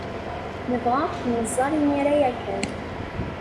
Nebɣa ad ken-nẓer imir-a ya kan.